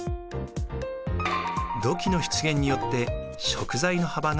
土器の出現によって食材の幅が広がりました。